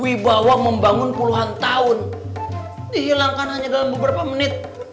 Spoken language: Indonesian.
wibawa membangun puluhan tahun dihilangkan hanya dalam beberapa menit